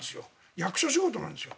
役所仕事なんですよ。